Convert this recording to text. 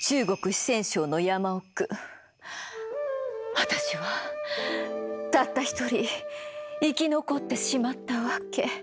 私はたった一人生き残ってしまったわけ。